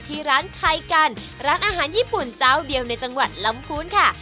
ที่ร้านไทยกันร้านอาหารญี่ปุ่นเจ้าเดียวในจังหวัดลำพูนค่ะ